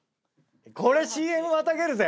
これＣＭまたげるぜ。